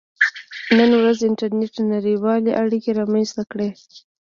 • نن ورځ انټرنېټ نړیوالې اړیکې رامنځته کړې.